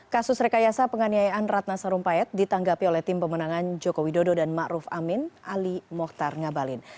kasus rekayasa penganiayaan ratna sarumpayat ditanggapi oleh tim pemenangan joko widodo dan ⁇ maruf ⁇ amin ali mohtar ngabalin